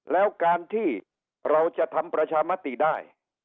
แล้วการที่เราจะทำประชามติได้